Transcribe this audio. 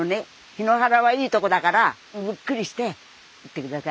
檜原はいいとこだからゆっくりしていってください。